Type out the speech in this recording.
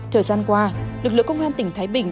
thời gian qua lực lượng công an tỉnh thái bình